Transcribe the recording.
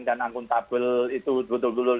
dan akuntabel itu betul betul